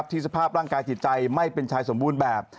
สภาพร่างกายจิตใจไม่เป็นชายสมบูรณ์แบบ